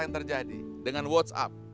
yang terjadi dengan whatsapp